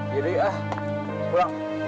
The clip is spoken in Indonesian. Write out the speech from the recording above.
jadi ah pulang